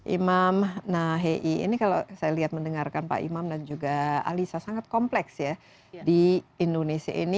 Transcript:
imam nahei ini kalau saya lihat mendengarkan pak imam dan juga alisa sangat kompleks ya di indonesia ini